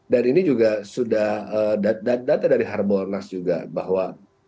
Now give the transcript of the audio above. dan ini juga sudah data dari harbonas juga bahwa